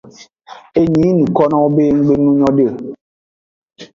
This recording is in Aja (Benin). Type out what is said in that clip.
Enyi yi nukonowo be nggbe nu nyode o.